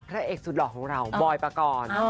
พระเอกสุดหล่อของเราบอยปกรณ์